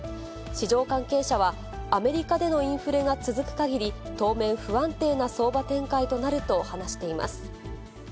市場関係者は、アメリカでのインフレが続くかぎり、当面、不安定な相場展開となると話しています。